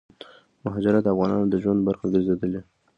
مهاجرت دافغانانو دژوند برخه ګرځيدلې